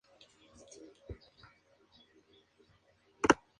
Club" dijo que "Beside the Dying Fire" logró adecuadamente lo que estaba esperando.